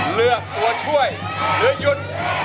เลือกตัวช่วยหรือหยุด